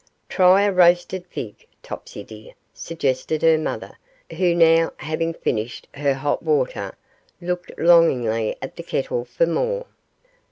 'Try a roasted fig, Topsy dear,' suggested her mother, who, now, having finished her hot water, looked longingly at the kettle for more.